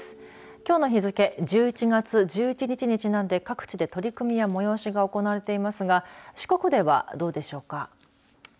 きょうの日付１１月１１日にちなんで各地で取り組みや催しが行われていますが四国では、どうでしょうか。